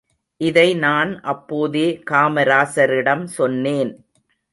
இதை நான் அப்போதே காமராசரிடம் சொன்னேன்.